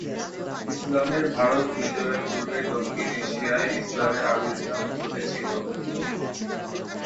ইসলামের ভারত বিজয়ের পূর্বেই দক্ষিণ এশিয়ায় ইসলামের আবির্ভাব ঘটেছিল।